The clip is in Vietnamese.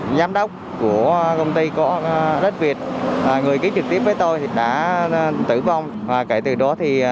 nhàm đốc của công ty có đất việt người ký trực tiếp với tôi thì đã tử vong và kể từ đó thì